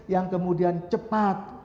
yang kemudian cepat